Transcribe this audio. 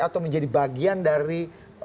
atau menjadi bagian dari